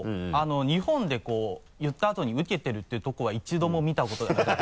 日本でこう言ったあとにウケているっていうとこは一度も見たことがなくて。